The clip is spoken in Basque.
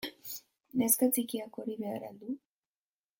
Neska txikiak hori behar al du?